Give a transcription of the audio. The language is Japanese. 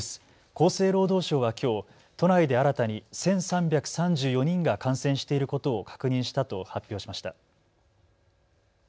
厚生労働省はきょう都内で新たに１３３４人が感染していることを確認したと発表しました。